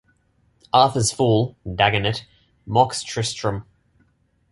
Arthur's fool, Dagonet, mocks Tristram.